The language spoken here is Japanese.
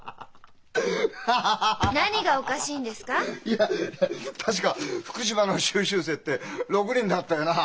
いや確か福島の修習生って６人だったよな？